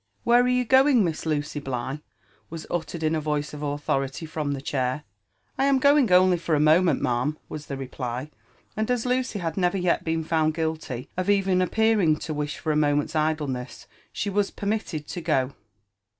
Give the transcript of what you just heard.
" Where are you going, Miss Lucy Bligh?" was ut(ei:ed in a voice of authority from the chair. " I am goiog.only tor a moment, ma'am, " was the reply ; and as Lucy had never yet been found guilty of even appearing to wish for a moment's idleness, she was permitted to go.